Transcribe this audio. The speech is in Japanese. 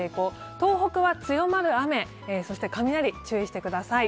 東北は強まる雨、そして雷に注意してください。